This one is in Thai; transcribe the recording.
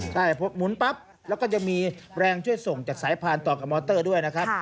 ใช่หมุนปั๊บแล้วก็จะมีแรงช่วยส่งจากสายพานต่อกับมอเตอร์ด้วยนะครับ